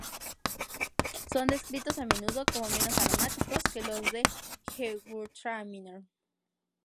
Son descritos a menudo como menos aromáticos que los de gewürztraminer.